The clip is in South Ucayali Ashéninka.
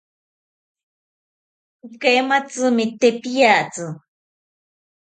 Ikaimaitzimi te piatzi